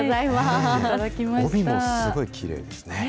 帯もすごいきれいですね。